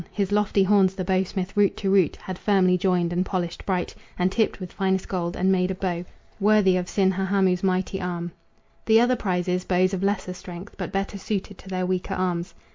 His lofty horns the bowsmith root to root Had firmly joined, and polished, bright, And tipped with finest gold, and made a bow Worthy of Sinhahamu's mighty arm. The other prizes, bows of lesser strength But better suited to their weaker arms.